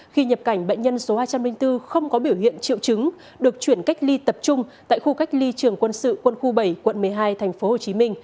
khi nhập cảnh bệnh nhân số hai trăm linh bốn không có biểu hiện triệu chứng được chuyển cách ly tập trung tại khu cách ly trường quân sự quân khu bảy quận một mươi hai tp hcm